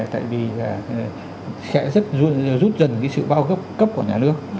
tại vì sẽ rất rút dần cái sự bao gấp cấp của nhà nước